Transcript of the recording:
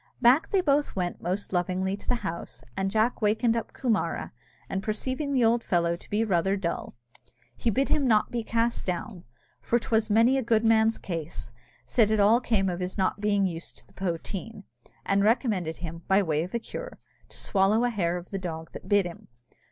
Back they both went most lovingly to the house, and Jack wakened up Coomara; and, perceiving the old fellow to be rather dull, he bid him not to be cast down, for 'twas many a good man's case; said it all came of his not being used to the poteen, and recommended him, by way of cure, to swallow a hair of the dog that bit him.